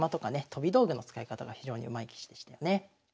飛び道具の使い方が非常にうまい棋士でしたよね。